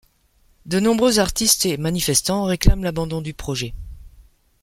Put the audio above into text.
De nombreux artistes et manifestants réclament l'abandon du projet.